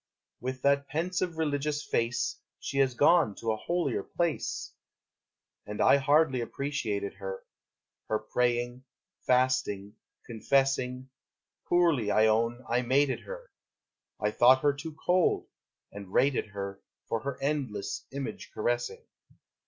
With that pensive religious face, She has gone to a holier place! And I hardly appreciated her, Her praying, fasting, confessing, Poorly, I own, I mated her; I thought her too cold, and rated her For her endless image caressing.